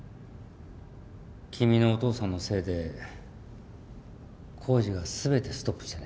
君のお父さんのせいで工事が全てストップしてね。